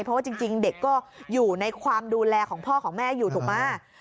เพราะว่าจริงเด็กก็อยู่ในความดูแลของพ่อของแม่อยู่ถูกไหม